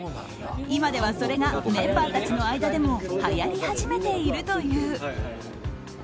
今ではそれがメンバーたちの間でもはやり始めているという。